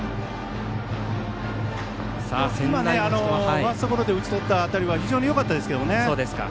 ファーストゴロで打ち取った当たりは非常によかったですけどもね。